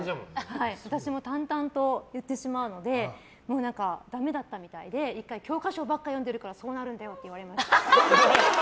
私も淡々と言ってしまうのでダメだったみたいで１回、教科書ばっかり読んでるからそうなるんだよって言われました。